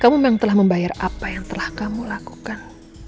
kamu memang telah membayar apa yang telah kamu lakukan